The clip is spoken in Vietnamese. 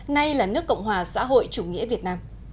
nay là nước cộng hòa xã hội chủ nghĩa việt nam